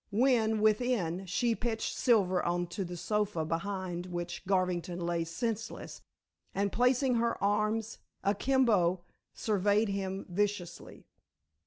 When, within she pitched Silver on to the sofa behind which Garvington lay senseless, and placing her arms akimbo surveyed him viciously.